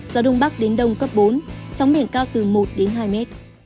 gió đông bắc đến đông cấp bốn sóng biển cao từ một hai m